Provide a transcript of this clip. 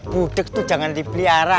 budak tuh jangan dipelihara